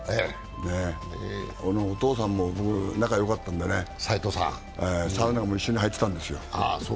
お父さんも仲よかったんでね、斉藤さん、サウナも一緒に入ってたんですよ。